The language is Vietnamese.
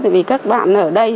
tại vì các bạn ở đây